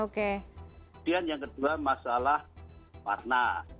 kemudian yang kedua masalah warna